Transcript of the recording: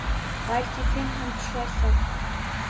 Balki sen ham tusharsan?